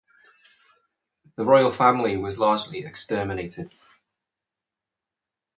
The royal family was largely exterminated.